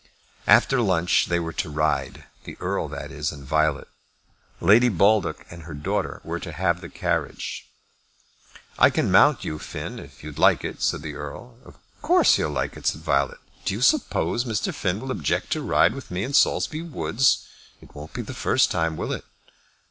After lunch they were to ride; the Earl, that is, and Violet. Lady Baldock and her daughter were to have the carriage. "I can mount you, Finn, if you would like it," said the Earl. "Of course he'll like it," said Violet; "do you suppose Mr. Finn will object to ride with me in Saulsby Woods? It won't be the first time, will it?"